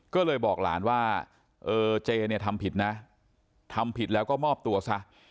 ก็เลยบอกหลานว่าเออเจเนี่ยทำผิดนะทำผิดแล้วก็มอบตัวซะ